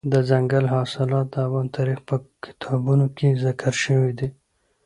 دځنګل حاصلات د افغان تاریخ په کتابونو کې ذکر شوی دي.